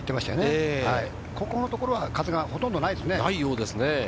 ここのところは風がほとんどないですね。